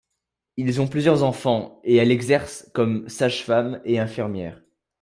Ils ont plusieurs enfants, et elle exerce comme sage-femme et infirmière.